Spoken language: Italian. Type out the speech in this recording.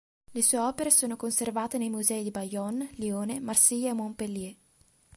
Le sue opere sono conservate nei musei di Bayonne, Lione, Marsiglia e Montpellier.